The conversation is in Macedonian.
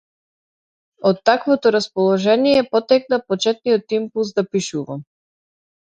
Од таквото расположение потекна почетниот импулс да пишувам.